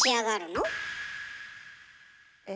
え。